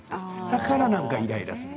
だからなんかイライラする。